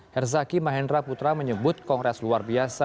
herzaki mahendra putra menyebut kongres luar biasa